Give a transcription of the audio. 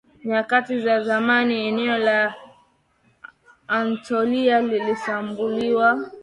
nyakati za zamani eneo la Anatolia lilishambuliwa